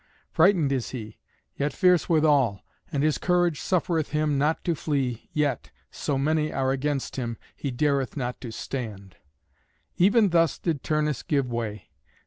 Frightened is he, yet fierce withal, and his courage suffereth him not to flee, yet, so many are against him, he dareth not to stand. Even thus did Turnus give way.